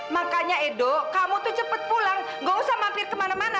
makanya eh dok kamu tuh cepet pulang nggak usah mampir kemana mana